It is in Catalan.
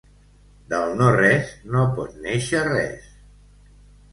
Del no-res no pot néixer res.